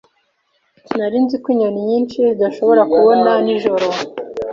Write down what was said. Sinari nzi ko inyoni nyinshi zidashobora kubona nijoro.